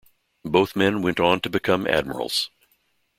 Both men went on to become admirals.